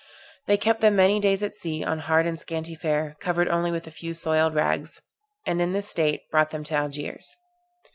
They kept them many days at sea on hard and scanty fare, covered only with a few soiled rags; and in this state brought them to Algiers.